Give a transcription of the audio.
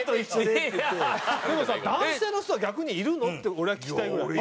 でもさ男性の人は逆にいるの？って俺は聞きたいぐらい。